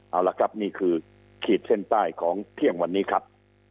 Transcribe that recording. เอาละครับนี่คือขีดเส้นใต้ของเที่ยงวันนี้ครับ